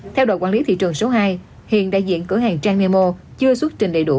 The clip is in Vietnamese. theo đội quản lý thị trường số hai hiện đại diện cửa hàng trang nemo chưa xuất trình đầy đủ